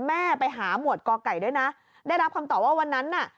แม่ไปหาหมวดกอไก่ด้วยนะได้รับคำตอบว่าวันนั้นน่ะ